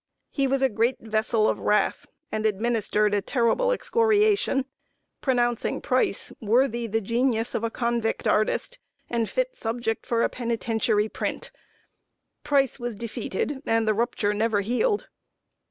He was a great vessel of wrath, and administered a terrible excoriation, pronouncing Price "worthy the genius of a convict artist, and fit subject for a Penitentiary print!" Price was defeated, and the rupture never healed.